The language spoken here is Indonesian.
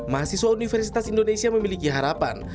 mahasiswa universitas indonesia memiliki harapan